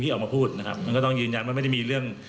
ออกมาพูดนะครับมันก็ต้องยืนยันว่าไม่ได้มีเรื่อง